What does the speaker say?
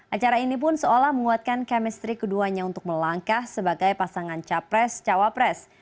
acara ini pun seolah menguatkan kemistri keduanya untuk melangkah sebagai pasangan capres jawab pres